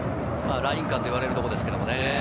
ライン間と言われるところです。